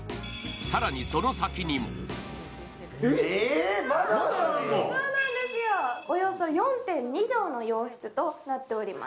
更にその先にもおよそ４．２畳の洋室となっております。